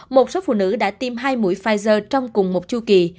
một số phụ nữ đã tiêm hai mũi pfizer trong cùng một chu kỳ